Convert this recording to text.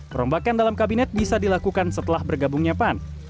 perombakan dalam kabinet bisa dilakukan setelah bergabungnya pan